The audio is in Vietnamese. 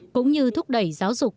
cũng như thúc đẩy giáo dục